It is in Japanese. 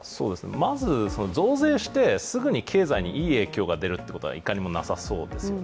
まず増税して、すぐに経済にいい影響が出るということは、いかにもなさそうですよね。